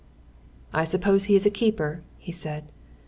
"I suppose he is a keeper," he said.